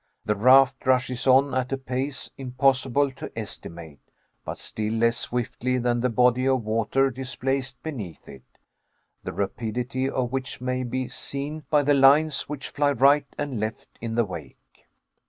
The raft rushes on at a pace impossible to estimate, but still less swiftly than the body of water displaced beneath it, the rapidity of which may be seen by the lines which fly right and left in the wake.